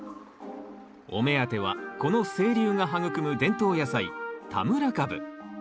お目当てはこの清流が育む伝統野菜田村かぶ。